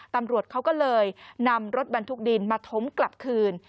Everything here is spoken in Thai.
ตำรวจเขาก็เลยนำรถบรรทุกดินมาถมกลับคืน